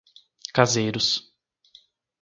Caseiros